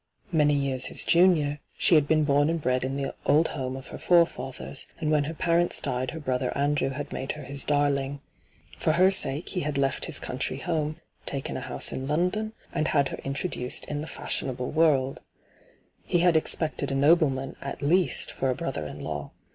Many years his junior, she had been bom and bred in the old home of her forefathers, and when her parents died her brother Andrew had made her his darling. For her sake he had left his country home, hyGoogIc ENTRAPPED 13 taken a house in London, and had her intro duced in the &shionabIe world. He had expected a nobleman, at least, for a brother in law.